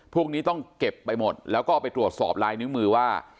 พวกนี้ต้องเก็บไปหมดแล้วก็ไปตรวจสอบลายนิ้วมือว่า